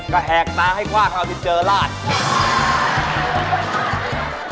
ก็แหกตาให้กว้างแล้วเอาทิ้งเจอราช